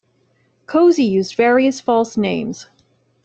Cosey used various false names.